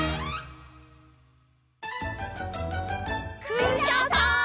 クシャさん！